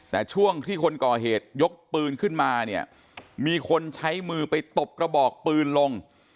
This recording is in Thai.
แต่ช่วงที่คนก่อเหตุยกปืนขึ้นมาเนี่ยมีคนใช้มือไปตบกระบอกปืนลง